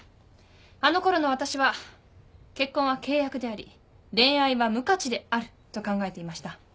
あのころの私は結婚は契約であり恋愛は無価値であると考えていました。